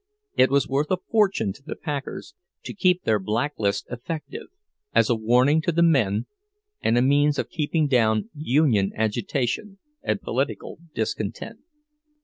It was worth a fortune to the packers to keep their blacklist effective, as a warning to the men and a means of keeping down union agitation and political discontent.